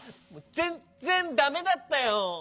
ぜんぜんだめだったよ。